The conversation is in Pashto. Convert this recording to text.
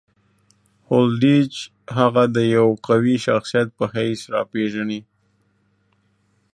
هولډیچ هغه د یوه قوي شخصیت په حیث راپېژني.